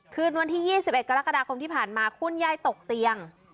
คืนวันที่๒๑กรกฎาคมที่ผ่านมาคุณยายตกเตียง